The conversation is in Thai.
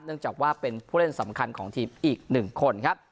เนื่องจากว่าเป็นผู้เล่นสำคัญของทีมอีกหนึ่งคนครับ